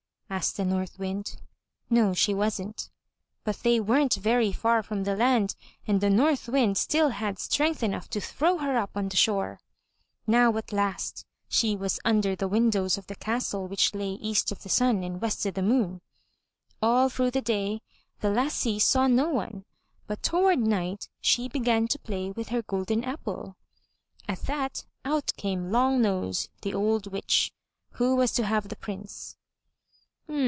asked the North Wind. No, she wasn't. But they weren't very far from the land, and the North Wind still had strength enough to throw her up on the shore. Now at last she was under the windows of the castle which lay EAST O' THE SUN AND WEST O' THE MOON. All through the day the lassie saw no one, but toward night she began to play with her golden apple. At that, out came Long nose, the old witch, who was to have the Prince.